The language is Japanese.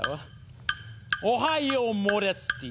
おはようモレツティ。